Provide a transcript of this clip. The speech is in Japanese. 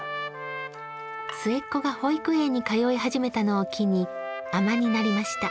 末っ子が保育園に通い始めたのを機に海女になりました。